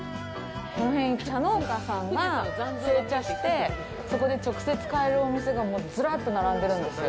この辺、茶農家さんが製茶して、そこで直接買えるお店がもうずらっと並んでるんですよ。